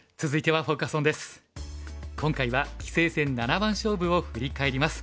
今回は棋聖戦七番勝負を振り返ります。